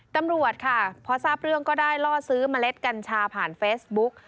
ตำรวจค่ะพอทราบเรื่องก็ได้ล่อซื้อเมล็ดกัญชาผ่านเฟซบุ๊ก